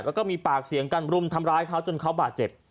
แล้วก็มีปากเสียงกันรุมทำร้ายเขาจนเขาบาดเจ็บ